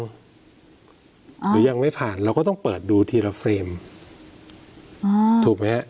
หรือยังไม่ผ่านเราก็ต้องเปิดดูทีละเฟรมถูกไหมฮะ